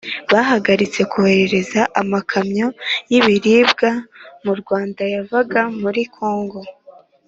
bahagaritse kohereza amakamyo y’ibiribwa mu Rwanda yavaga muri Kongo.